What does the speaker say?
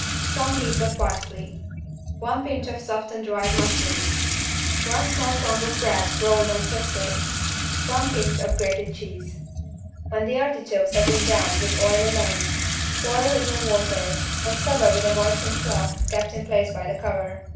Some leaves of parsley. One pinch of softened dried mushrooms. One small crumb of bread rolled and sifted. One pinch of grated cheese. When the artichokes have been browned with oil alone, pour a little water and cover with a moistened cloth kept in place by the cover.